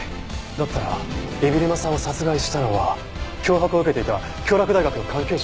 だったら海老沼さんを殺害したのは脅迫を受けていた京洛大学の関係者？